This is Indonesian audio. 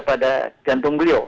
pada jantung beliau